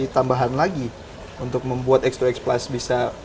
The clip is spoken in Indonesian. tambahan lagi untuk membuat x dua x plus bisa